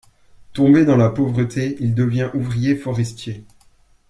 Tombé dans la pauvreté, il devient ouvrier forestier.